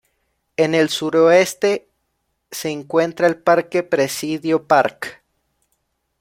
En el suroeste se encuentra el Parque Presidio Park.